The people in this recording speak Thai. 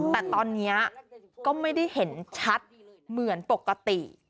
แต่ตอนนี้ก็ไม่ได้เห็นชัดเหมือนปกติ